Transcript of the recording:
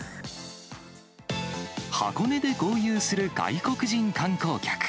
箱根で豪遊する外国人観光客。